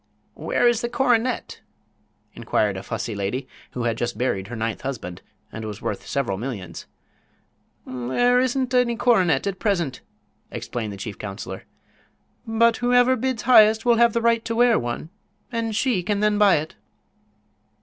"Where is the coronet?" inquired a fussy old lady who had just buried her ninth husband and was worth several millions. "There isn't any coronet at present," explained the chief counselor, "but whoever bids highest will have the right to wear one, and she can then buy it."